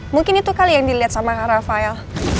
mungkin itu kali yang dilihat sama rafael